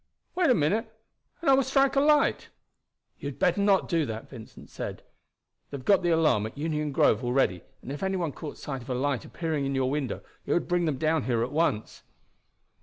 Wait a minute and I will strike a light." "You had better not do that," Vincent said. "They have got the alarm at Union Grove already, and if any one caught sight of a light appearing in your window, it would bring them down here at once."